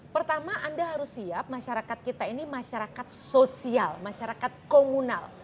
pertama anda harus siap masyarakat kita ini masyarakat sosial masyarakat komunal